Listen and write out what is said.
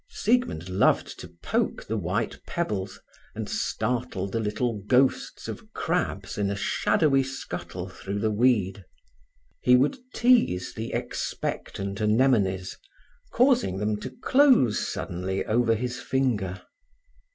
Siegmund loved to poke the white pebbles, and startle the little ghosts of crabs in a shadowy scuttle through the weed. He would tease the expectant anemones, causing them to close suddenly over his finger.